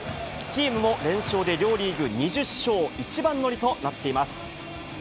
チームも連勝で、両リーグ２０勝一番乗りとなっています。